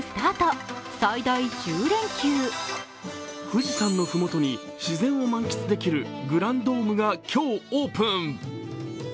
富士山の麓に、自然を満喫できるグランドームが今日オープン。